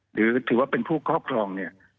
หรือถือว่าเป็นผู้ครอบครองเนี่ย